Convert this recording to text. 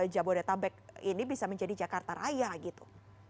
jabodetabek ini bisa menjadi jakarta raya gitu